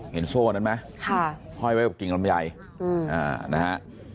เห็นโซ่นั้นไหมค่ะเฮ้ยไว้กับกิ่งลำไยอืออ่านะฮะ